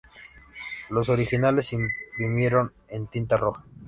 Los ordinales se imprimieron en tinta roja.